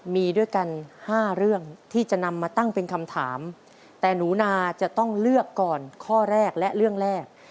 มีด้วยกันห้าเรื่องที่จะนำมาตั้งเป็นคำถามแต่หนูนาจะต้องเลือกก่อนข้อแรกและเรื่องแรก